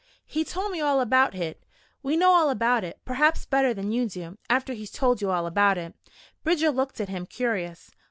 "He told me all about hit " "We know all about it, perhaps better than you do after he's told you all about it." Bridger looked at him, curious.